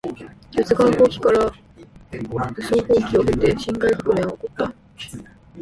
四川蜂起から武昌蜂起を経て辛亥革命は起こった。